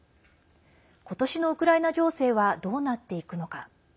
今年のウクライナ情勢はどうなっていくのか。